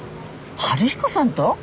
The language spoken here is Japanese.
春彦さんと！？